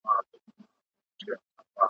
چي پر ځان یې د مرګي د ښکاري وار سو `